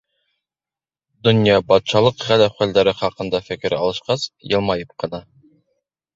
Донъя, батшалыҡ хәл-әхүәлдәре хаҡында фекер алышҡас, йылмайып ҡына: